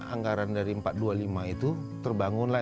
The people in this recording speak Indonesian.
anggaran dari empat ratus dua puluh lima itu terbangunlah